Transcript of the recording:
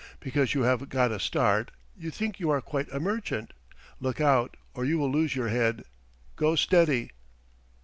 Because you have got a start, you think you are quite a merchant; look out, or you will lose your head go steady."